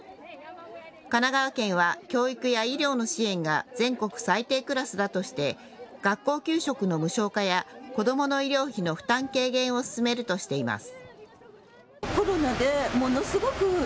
神奈川県は教育や医療の支援が、全国最低クラスだとして、学校給食の無償化や、子どもの医療費の負担軽減を進めるとしています。